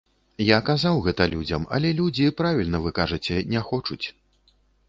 Я казаў гэта людзям, але людзі, правільна вы кажаце, не хочуць.